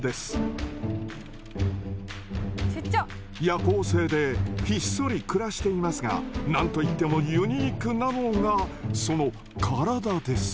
夜行性でひっそり暮らしていますが何と言ってもユニークなのがその体です。